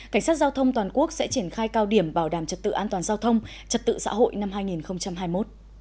cảnh sát giao thông toàn quốc sẽ triển khai cao điểm bảo đảm trật tự an toàn giao thông trật tự xã hội năm hai nghìn hai mươi một